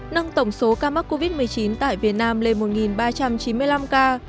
nâng tổng số ca mắc covid một mươi chín tại việt nam lên một ba trăm chín mươi năm ca